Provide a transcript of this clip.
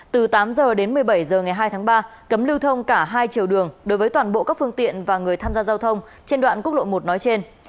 từ tám h đến một mươi bảy h ngày hai tháng ba cấm lưu thông cả hai chiều đường đối với toàn bộ các phương tiện và người tham gia giao thông trên đoạn quốc lộ một nói trên